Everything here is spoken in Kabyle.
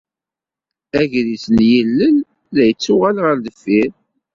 Agris n yilel la yettuɣal ɣer deffir.